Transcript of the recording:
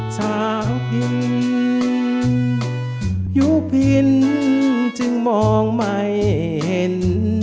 สาวพินยุพินจึงมองไม่เห็น